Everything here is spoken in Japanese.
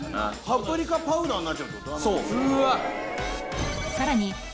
パプリカパウダーになっちゃうってこと⁉うわっ！